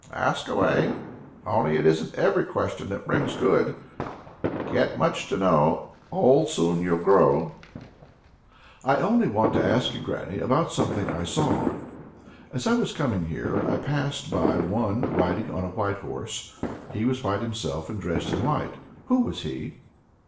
"Ask away; only it isn't every question that brings good. 'Get much to know, and old soon you'll grow.'" "I only want to ask you, granny, about something I saw. As I was coming here, I was passed by one riding on a white horse; he was white himself, and dressed in white. Who was he?"